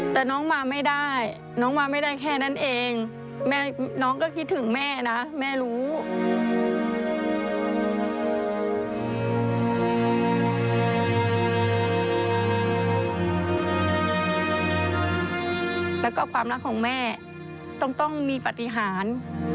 ความรักของแม่ต้องต้องมีปฏิหาร